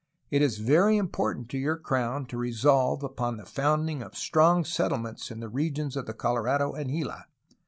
It is very important to your crown to resolve upon the founding of strong settlements in the regions of the Colorado and Gila.